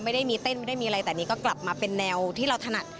ไม่ได้มีเต้นไม่ได้มีอะไรแต่นี่ก็กลับมาเป็นแนวที่เราถนัด